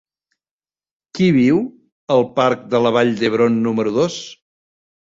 Qui viu al parc de la Vall d'Hebron número dos?